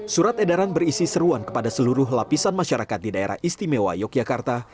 surat edaran berisi seruan kepada seluruh lapisan masyarakat di daerah istimewa yogyakarta